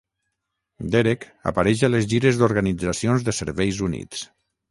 Derek apareix a les gires d'Organitzacions de Serveis Units.